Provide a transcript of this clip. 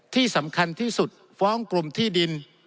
ที่สำคัญที่สุดฟ้องกลุ่มที่ดิน